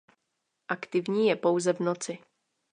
Aktivní je pouze v noci.